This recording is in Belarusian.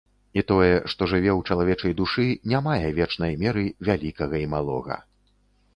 І тое, што жыве ў чалавечай душы, не мае вечнай меры вялікага і малога.